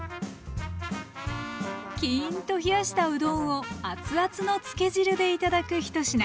キーンと冷やしたうどんを熱々のつけ汁で頂く１品。